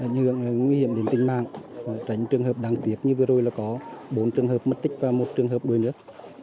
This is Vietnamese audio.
nhường nguy hiểm đến tình mạng tránh trường hợp đáng tiếc như vừa rồi là có bốn trường hợp mất tích và một trường hợp đuổi nước